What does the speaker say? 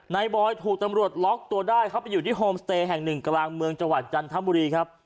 บอยถูกตำรวจล็อกตัวได้เข้าไปอยู่ที่โฮมสเตย์แห่งหนึ่งกลางเมืองจังหวัดจันทบุรีครับ